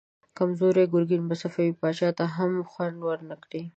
کمزوری ګرګين به صفوي پاچا ته هم خوند ورنه کړي.